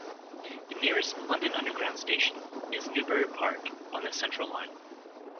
The nearest London Underground station is Newbury Park on the Central line.